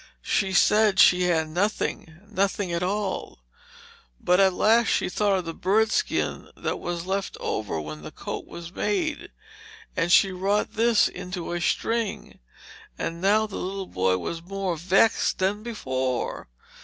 She said she had nothing nothing at all; but at last she thought of the bird skin that was left over when the coat was made, and she wrought this into a string. And now the little boy was more vexed than before.